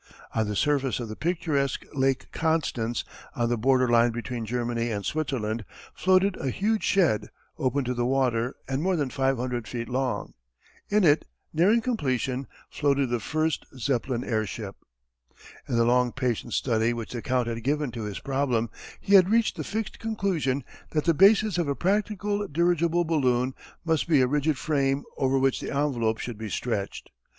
On the surface of the picturesque Lake Constance, on the border line between Germany and Switzerland, floated a huge shed, open to the water and more than five hundred feet long. In it, nearing completion, floated the first Zeppelin airship. In the long patient study which the Count had given to his problem he had reached the fixed conclusion that the basis of a practical dirigible balloon must be a rigid frame over which the envelope should be stretched.